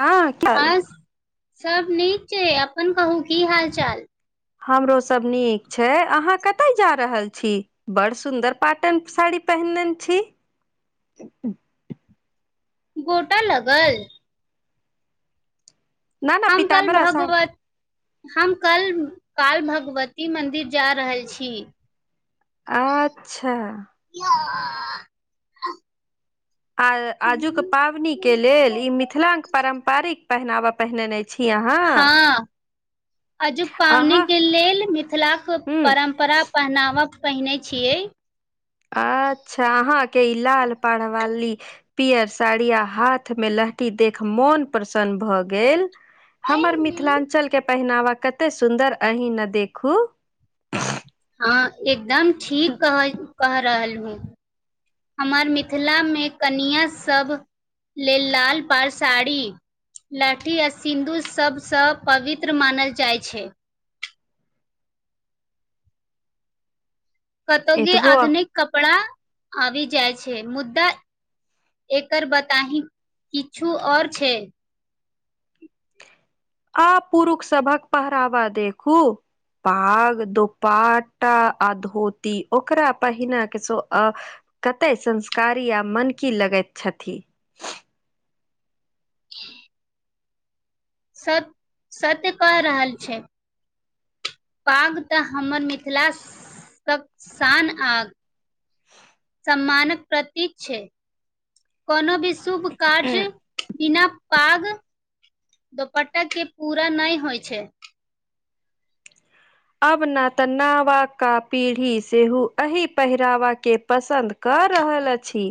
हँ चल हर्ष सब नीक छै अपन कहू की हाल चाल हमरो सब नीक छै अहाँ कतय जा रहल छी बड़ सुन्दर पाटन साड़ी पहिन नेन छी गोटा लगल न न हम कल पीताम्बरा साड़ी भगवत हम कल काल भगवती मन्दिर जा रहल छी अच्छऽ [unintelligible] आ आजुक पावनि केँ लेल ई मिथिला केँ पारम्पारिक पहनावा पहिनेने छी अहाँ हँ आजुक पावनी अहाँ केँ लेल मिथिलाक ह परम्परा पहनावा पहिनै छियै अच्छा अहाँकेँ ई लाल पढ़वाली पियर साड़ी आ हाथ मे लहठी देख मोन प्रसन्न भऽ गेल हमर मिथिलांचलकेँ पहिनावा कते सुन्दर अहि नऽ देखू हँ एकदम ठीक कहै कह रहलहूँ हमर मिथिला मे कनिया सब लेल लाल पार साड़ी लाठी आ सिन्धु सभसँ पवित्र मानल जाइ छै कतौगी एतगो आधुनिक कपड़ा आबी जाइ छै मुद्दा एकर बताहि किछु आओर छै आ पुरुष सभक पहरावा देखू पाग दुपाटा आ धोती ओकरा पहिना केँ सो अ कतैय संस्कारी आ मनकी लगैत छथि [inaudible] सत्य सत्य कैल रहल छै पाग तऽ हमर मिथिला स - शान आ सम्मानक प्रतीक छै कोनो भी शुभ कार्ज बिना पाग दोपट्टा केँ पूरा नय होइ छै अब नऽ तऽ नावाका पीढ़ी सेहो एहि पहिरावा केँ पसन्द कऽ रहल अछि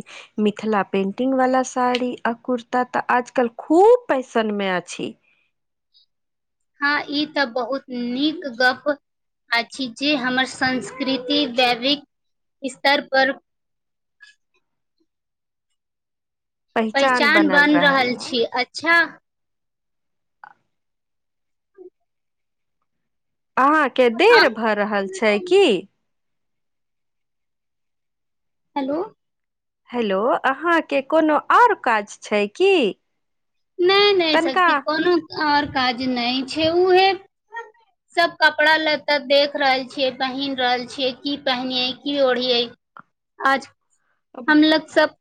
मिथिला पेन्टिंगवला साड़ी आ कुर्ता तऽ आजकल खूब फैशनमे अछि हँ ई तऽ बहुत नीक गप अछि जे हमर संस्कृति जैविक स्तर पर पहचान पैहचान बनल बन रहल छी अच्छा अहाँ केँ आ देर भऽ रहल छै की हलो हेलो अहाँकेँ कोनो आओर काज छै की नय - नय तनिका सखी कोनो आओर काज नय छै उहे सब कपड़ा लता देख रहल छियै पहिनयै रहल छियै की पहिनिये की ओढ़ियै आज हमलग सब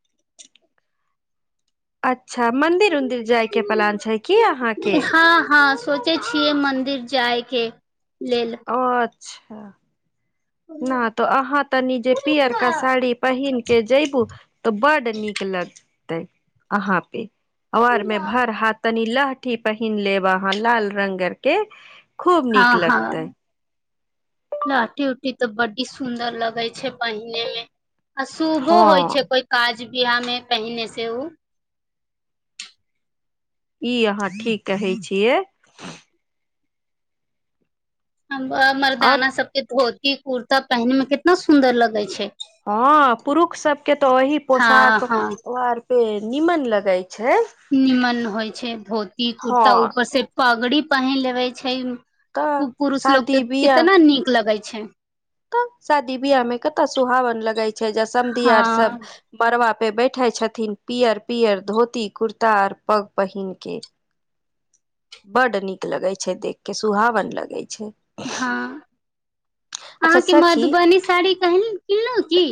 अच्छा मंदिर उंदिर जाय के प्लान छै की अहाँ के हँ हँ सोच छियै मंदिर जाय के लेल अच्छा ने तऽ अहाँ तनी जे पीयरका साड़ी पहिन के जयबू तऽ बडड नीक लगते अहा पे आार मे भर हाथ तनी लहठी पहन लेबाहा लाल रंगगर के खूब हँ नीक लगतै हँ लाठी उऊठी तऽ बडी सुंदर लगे छै पहिने में आ शुभो हँ होइ छै कोई काज बिियाह मे पहिने से ओ ई अहाँ ठीक कहै छियै आओर मरदाना सब के धोती कुर्ता पहने में कितना सुदर लगे छै हँ पुरुष सबके तऽ ओही हँ पोशाक हँ आर पे नीमन लगा छै निीमन होइ छै धोती हँ कुर्ता ऊपर से पगड़ी पहिन लेबे छै तऽ पुरुष शादी लोकोगके बियाह केितना नीक लगै छै तऽ शादी बिियाह मे कतऽ सुहावन लगै छै जँ समघी हँ आर सब बरबा पे बैठे छथिन पियर पियर धोती कुर्ता आर पग पहिनक के बड्ड नीक लगै छै देख के सुहावन लगै छै हँ अच्छा अहाँके सखी मधुबनी साड़ी किनलहुँ की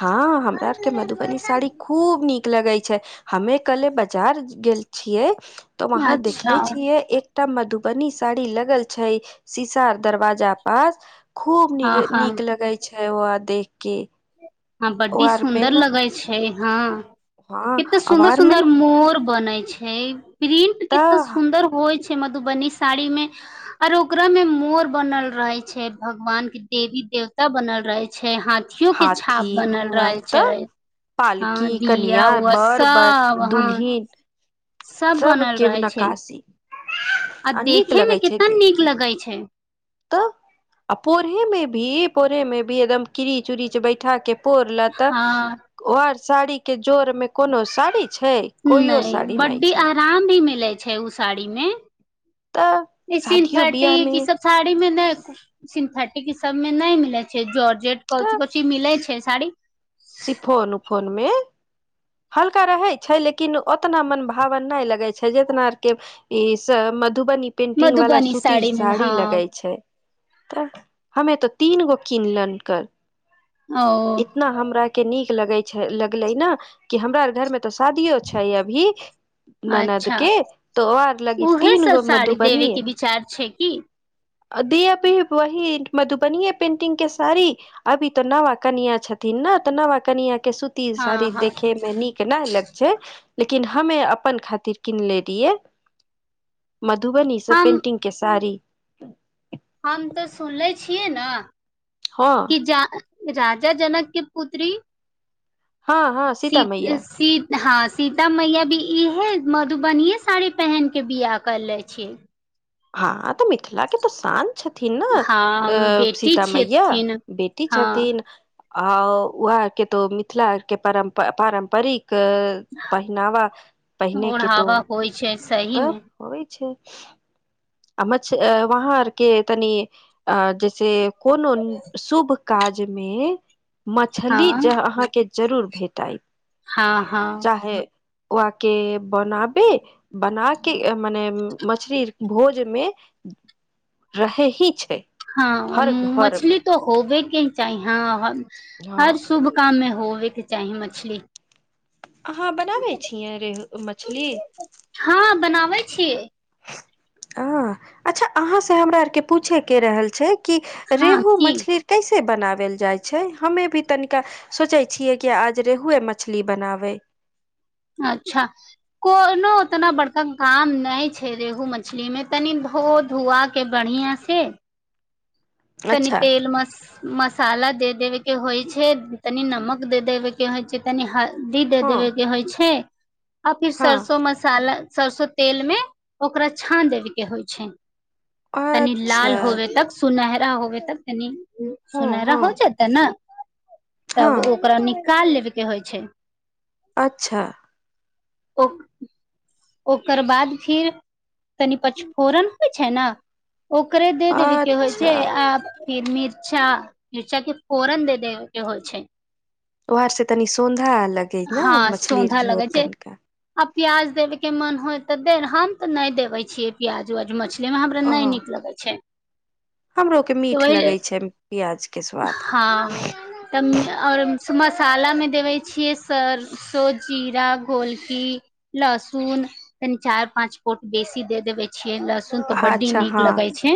हँ हमरा आर के मधुबनी साड़ी खूब नीक लगै छै हमे कले बाजार गेल छियै तऽ वहााँ अच्छा देखले छियै एक टा मधुबनी साड़ी लगल छै शीसार दरवाजा पास खूब हँ नीक हँ नीक लगै छै ओ देख के हँ ओ बड्डी आर मे सुन्दर ने लगै छै हँ हँ कते सुंदर आर मे सुदर ने मोर बने छै प्रिंट कतेय तऽ सुंदर होइ छै मधुबनी साड़ी मे आर ओकरा में मोर बनल रहे छै भगवान के देवी देवता बनल रहे छै हाथ हाथी घोड़ा तऽ हँ पालकी दिया कनिया उआ बर ब सब हँ दुलहिन सब बनल केव रहे छै नकासी आ नीक देखे में लगे छै केितना देख नीक के लगे छै तऽ आ पोरे मे भी पोढ़े मे भी एकदम की चूड़ी बैठा के पोर ले तऽ हँ वर साड़ी के जोर में कोनो साड़ी छै कोइयो नहि साड़ी नहि बड्डी छै आराम भी मिलै छै ओ साड़ी मे तऽ इ शादियो सिथर्टी बियाह मे की सब साड़ी में नहि सिन्थेटिक ई सब में नहि मिले छै जॉर्ज जे क तऽ की मिलै छै शाड़ी सिफोन उफोनमे हल्का रहे छै लेकिन ओतना मन भावन नहि लगे छै जितना आर के ई सब मधुबनी पेंटिंग वाला मधुबनी सुूतीर मे साड़ी हँ लगे छै त हमे तो तीन गो किनलन कर ओ हमरा के नीक लगे छै लगले ने कि हमरा आर घर मे तऽ शादियो छै अभी ननद अच्छा के तो आओर लगी उहे तीन सब गो मधु साड़ी देबे बनीए के विचार छै की दी अभी वही मधुबनीयें पेन्टिंग के सारी अभी तऽ नवा कनियाँ छथिन ने तऽ नवा कनियाँ के सूतीये हँ साड़ी हँ देख नीक नय लग छै लेकिन हमे अपन खातिर किनले रहियै मधुबनीसँ हम पेंटिंग के साड़ी हम तऽ सुनले छियै न हँ कि जा राजा जनकके पुत्री हँ हँ सीता शीत मैया शीत हँ सीता मैया भी इहे मधुबनियें साड़ी पहिनके बियाह करले छी हँ तऽ मिथिला के तऽ शान छथिन ने अ हँ बेटी सीता मैया छथिन बेटी हँ छथिन आ उहे के तो मिथिला के परम्परिक पहिनावा पहिने के तो ओढ़ावा होइ छै सही मे तब होैइ छै आ मछ वहाँ आरके तनि अ जैसे कोनो शुभ काज मे मछली ज हँ अहाँके जरूर भेटाय हँ हँ चाहे ओह के बनाब बना के मने मछरी भोज मे रहै ही छै हँ हर घर मे मछली तो होबेके ही चाही हँ हँ हर शुभ काममे होबेके चाही मछली अहाँ बनाबै छियै रेहू मछली हँ बनाबै छियै अ अच्छा अहाँ से हमरा आर के पूछे के रहल छै कि हँ रेहू की मछली कैसे बनाबल जाइ छै हमे भी तनिका सोचै छियै कि आज रेहुुए मछली बनाबै अच्छा कोनो उतना बड़का काम नय छै रेहू मछली मे तनि धो धुआ के बढ़ियाँ से तनि अच्छा तेल मस मसाला दे देवे के होइ छै तनि नमक दे देवे के होइ छै तनि हल्दी दे हँ देबे के होइ छै आ फिर हँ सरसो मसाला सरसो तेल मे ओकरा छान देबे के होइ छै कनि अच्छा लाल होबे तक सुनहरा होबे तब तनी ओ हँ सुनहरा हँ हो जेतै ने तब हँ ओकरा निकाल लेबेके होइ छै अच्छा ओक ओकर बाद फिर तनी पचफोरन होइ छै ने ओकरे दे देबी के होइ अच्छा छै आ फिर मिर्चा मिर्चा के फोरन दे देवे के होइ छै ओरसँ तनी सौधा लगै ने हँ मछलीे सौंधा लगै झोर छै तनिके आ प्याज देबे के मन होय तऽ दे हम तऽ नय देवै छियै प्याज उआज मछली हमरा ओ नय नीक लगै छै हमरो के तऽ मीठ ओहि लगे लेल छै प्याज के स्वाद हँ तब आओर मसालामे देबै छियै सरसो जीरा घोलकी लहसुन तनि चारि पाँच पोट बेसी दे देबे छियै लहसुन सुन तो बड्डी नीक लगै छै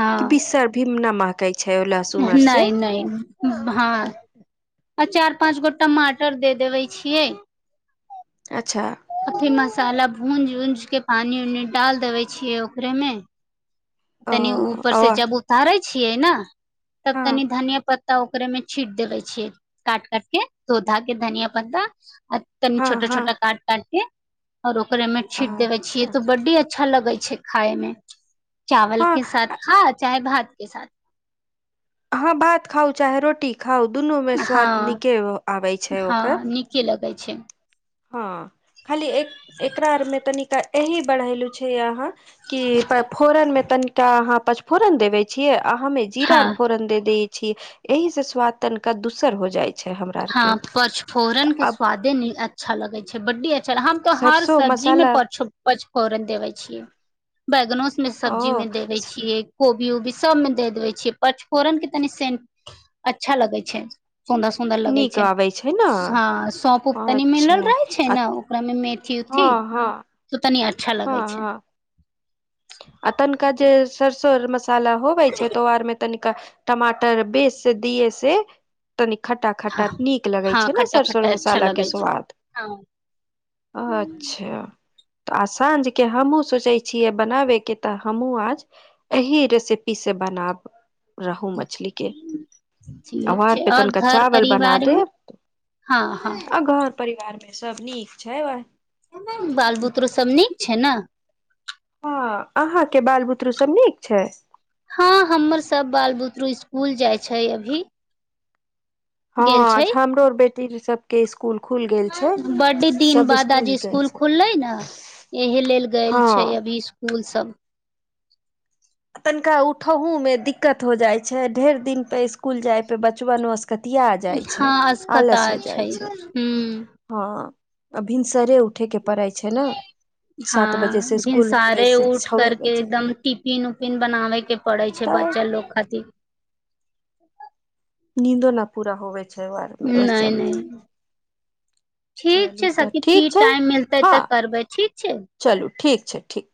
हँ बिसर भीम नै महकै छै लहसून अर नै नै नै भायँ आ चार पाँच गो टमाटर दे देबै छियै अच्छा अथी मसाला भूजिं ऊजिंक पानि उनी डाल देबै छियै ओकरेमे ओ तनी ऊपर से अ जब उतारै छियै न तब हँ तनि धनियां पत त ओकरे मे छीट देबे छियै काट काटके धो धाके धनिया पता आ तनि हँ छोटे हँ छोटे काट काटके आओर ओकरे मे छींट देबे छियै अच्छा तो बड्डे अच्छा लगै छै खायमे हँ चावलके साथ खा चाहे भातके साथ हाँ भात खाउ चाहे रोटी खाउ दुनूमे स्वाद नीके आबै छै ओकर की लगै छै हँ खाली एक एकरा आरमे तनिका एही बढ़ैलु छै अहाँ कि पफोरन मे तनिका अहाँ पचफोरन देवे छियै आ हमे जीरा हँ फोरन दे देय छी एहिसे स्वाद तनिका दूसर हो जाय हँ पचफोरन के स्वादे नि अच्छा लगै छै बड्डे छल हम तो हर सरसो सब्जीमे मसाला पच पचफोरन देबे छियै बैगनो मे ओ सब्जी मे देबे छियै कोबी उबी सब मे दे देबे छियै परचफोरन के तनि सेंन्ट अच्छा लगै छै सोंन्दस सुन्दर लगै नीक छै आबै छै ने हँ सौंप ऊप तनी मिलल अच्छा रहै छै आ न ओकरा मे मेथी उथी हँ हँ त तनी अच्छा हँ लगै छै हँ आ तनिका जे सरसो अर मसाला होबै छै त ओ आरमे तनिका टमाटर बेस से दिए से तनी खट्टा खट्टा हँ नीक लगै हँ छै ने खट्टा सरसों खट्टा अच्छा मसालाके लगै छै स्वाद हँ अच्छा त आ साँझ के हमहुँ सोचै छीयै बनाबै के त हमु आज एही रेसिपीसे बनाब रहू मछली के ठीक औहार छै पे और तनिका घर चावल बना परिवार मे देव हँ हँ आ घर परिवारमे सब नीक छै वय बाल बुतरु सब नीक छै न हँ अहाँके बाल बुतरू सब नीक छै हँ हमर सब बाल बुतरु इस्कुल जाइ छै अभी हँ गेल छै आज हमरो आओर बेटी सबके इस्कूल खुल गेल छै बड्ड दिन सब बाद आज इस्कूल गेल स्कूल छै खुललै न एहि लेल गेल छै हँ अभी इस्कुल सब तनिका उठहु मे दिक्कत हो जाय छै ढेर दिन पे इस्कूल जाय पे बचबनो स कतिया जाइ छै हँ असकता आलस हो जाइ छै हूँ हँ आ भिनसरे उठैके परै छै न हँ भिनसारे उठ छवे करके बजे एकदम टिफिन उपिन बनाबे के परै छै तब बच्चा लोक खातिर नींदो न पूरा होबे छै ओआर मे ओइ नहि सब मे नहि ठीक चलू छै तऽ सखी ठीक फिर छै टाइम मिलतै हँ तऽ करबै ठीक छै चलू ठीक छै ठीक